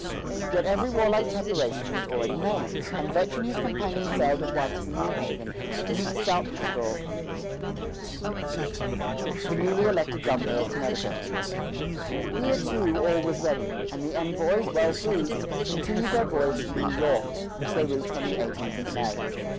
Yet every warlike preparation was already made, and Vetch and his companion sailed at once for New Haven to meet Saltonstall, the newly elected governor of Connecticut. Here too, all was ready, and the envoys, well pleased, continued their voyage to New York, which they reached on the eighteenth of May.